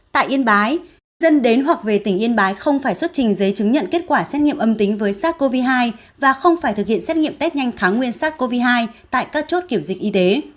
tại yên bái dân đến hoặc về tỉnh yên bái không phải xuất trình giấy chứng nhận kết quả xét nghiệm âm tính với sars cov hai và không phải thực hiện xét nghiệm test nhanh nguyên sars cov hai tại các chốt kiểm dịch y tế